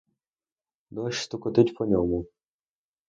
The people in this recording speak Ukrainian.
Дощ стукотить по ньому.